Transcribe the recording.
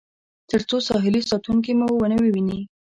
تر څو ساحلي ساتونکي مو ونه وویني.